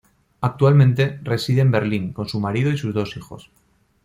Actualmente reside en Berlín con su marido y sus dos hijos.